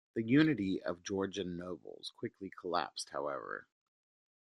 The unity of Georgian nobles quickly collapsed, however.